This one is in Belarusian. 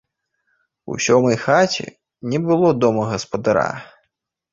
У сёмай хаце не было дома гаспадара.